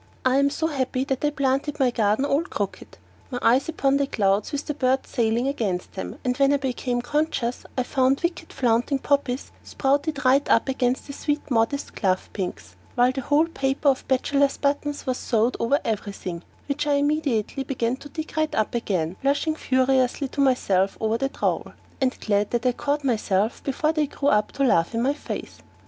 I am so happy that I planted my garden all crooked, my eyes upon the clouds with the birds sailing against them, and when I became conscious I found wicked flaunting poppies sprouted right up against the sweet modest clove pinks, while the whole paper of bachelor's buttons was sowed over everything which I immediately began to dig right up again, blushing furiously to myself over the trowel, and glad that I had caught myself before they grew up to laugh in my face.